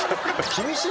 厳しい。